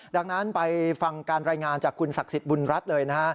ดังนั้นไปฟังการรายงานจากคุณศักดิ์สิทธิบุญรัฐเลยนะฮะ